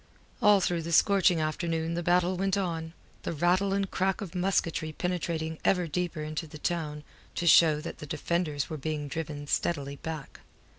All through the scorching afternoon the battle went on, the rattle and crack of musketry penetrating ever deeper into the town to show that the defenders were being driven steadily back.